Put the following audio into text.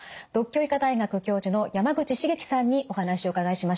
獨協医科大学教授の山口重樹さんにお話をお伺いしました。